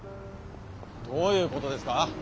どういうことですか？